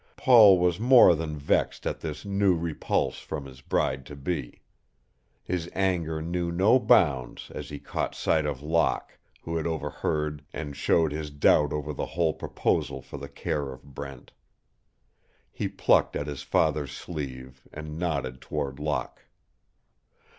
Paul was more than vexed at this new repulse from his bride to be. His anger knew no bounds as he caught sight of Locke, who had overheard and showed his doubt over the whole proposal for the care of Brent. He plucked at his father's sleeve and nodded toward Locke.